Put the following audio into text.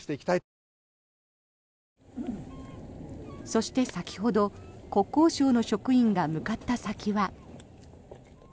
そして、先ほど国交省の職員が向かった先は。